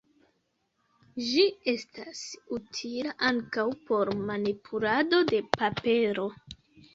Ĝi estas utila ankaŭ por manipulado de papero.